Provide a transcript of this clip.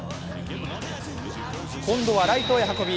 今度はライトへ運び